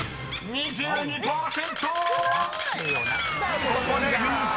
「２２％」］